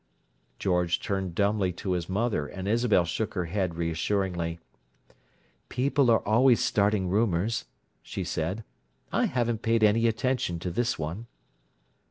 George turned dumbly to his mother, and Isabel shook her head reassuringly. "People are always starting rumours," she said. "I haven't paid any attention to this one."